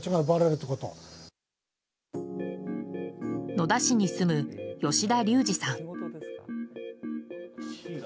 野田市に住む吉田龍二さん。